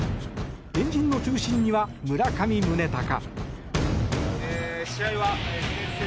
円陣の中心には村上宗隆。